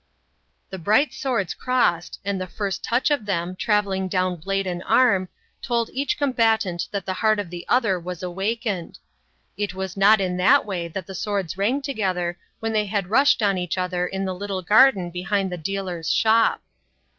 The bright swords crossed, and the first touch of them, travelling down blade and arm, told each combatant that the heart of the other was awakened. It was not in that way that the swords rang together when they had rushed on each other in the little garden behind the dealer's shop.